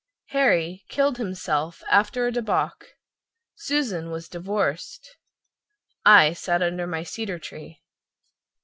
Harry killed himself after a debauch, Susan was divorced— I sat under my cedar tree.